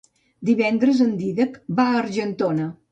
Divendres en Dídac va a Argentona.